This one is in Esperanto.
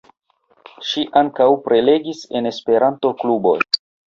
Ŝi ankaŭ prelegis en Esperanto-kluboj.